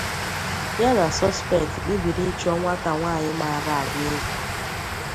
Ya na Suspect kpebiri ịchọ nwata nwaanyi maara agụ egwu.